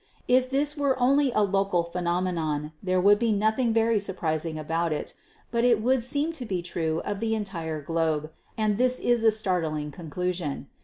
If this were only a local phenomenon, there would be nothing very surprising about it, but it would seem to be true of the entire globe, and this is a startling conclusion.